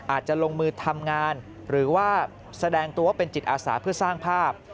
อาจจะลงมือทำงานหรือว่าแสดงตัวเป็นจิตอาสาเพื่อสร้างภาพ